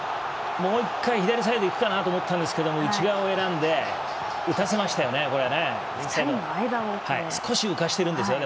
もう１回左サイドいくかなと思ったんですけど内側を選んで浮かせましたよね、これね。